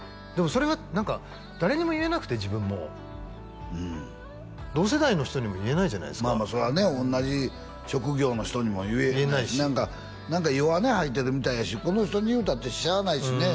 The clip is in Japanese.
それは何か誰にも言えなくて自分も同世代の人にも言えないじゃないですかまあまあそれはね同じ職業の人にも言えないし何か弱音吐いてるみたいやしこの人に言うたってしゃあないしね